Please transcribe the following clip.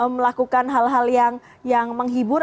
melakukan hal hal yang menghibur